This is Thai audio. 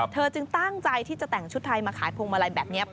จึงตั้งใจที่จะแต่งชุดไทยมาขายพวงมาลัยแบบนี้